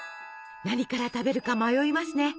何から食べるか迷いますね。